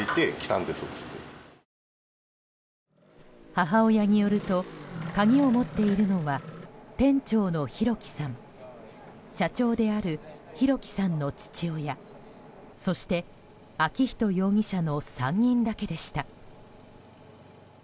母親によると鍵を持っているのは店長の弘輝さん社長である弘輝さんの父親そして昭仁容疑者の３人だけでした。